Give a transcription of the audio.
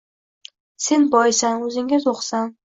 Sen boysan, oʻzingga toʻqsan